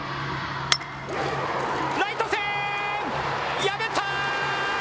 ライト線、破った！